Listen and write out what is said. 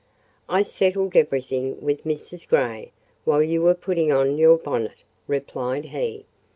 "I settled everything with Mrs. Grey, while you were putting on your bonnet," replied he.